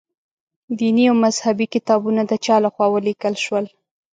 دیني او مذهبي کتابونه د چا له خوا ولیکل شول.